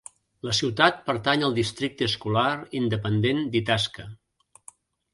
La ciutat pertany al districte escolar independent d'Itasca.